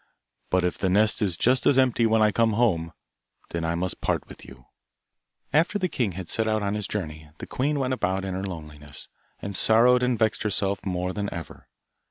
But if the nest is just as empty when I come home, then I must part with you.' After the king had set out on his journey, the queen went about in her loneliness, and sorrowed and vexed herself more than ever.